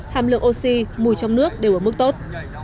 hàm lượng oxy mùi trong nước đều ở mức tốt